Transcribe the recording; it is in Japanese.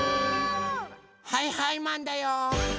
はいはいマンだよー！